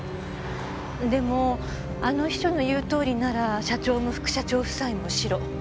でもあの秘書の言うとおりなら社長も副社長夫妻もシロ。